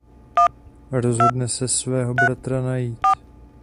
Rozhodne se svého bratra najít.